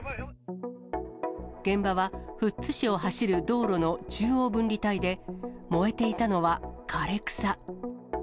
現場は富津市を走る道路の中央分離帯で、燃えていたのは枯れ草。